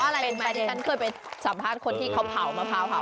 เขาบอกว่าอะไรฉันเคยไปสัมภาษณ์คนที่เขาเผามะพร้าวเผา